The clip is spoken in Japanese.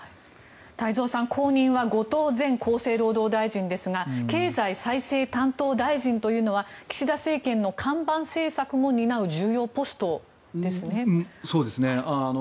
太蔵さん、後任は後藤前厚生労働大臣ですが経済再生担当大臣というのは岸田政権の看板政策も担うそうですね。